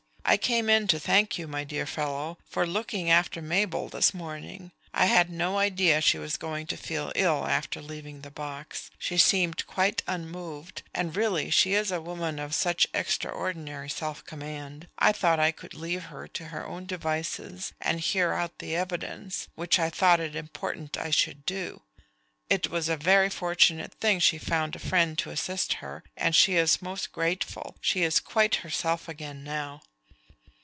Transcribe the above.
"I came in to thank you, my dear fellow, for looking after Mabel this morning. I had no idea she was going to feel ill after leaving the box; she seemed quite unmoved, and really she is a woman of such extraordinary self command, I thought I could leave her to her own devices and hear out the evidence, which I thought it important I should do. It was a very fortunate thing she found a friend to assist her, and she is most grateful. She is quite herself again now."